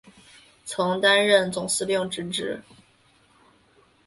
曾担任总司令之职。